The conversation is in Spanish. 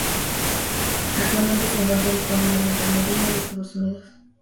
Actualmente se encuentra disponible en el Reino Unido y en Estados Unidos.